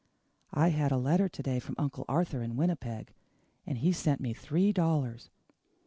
I had a letter to day from Uncle Arthur in Winnipeg, and he sent me three dollars.